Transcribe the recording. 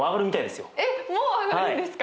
えっもう上がるんですか？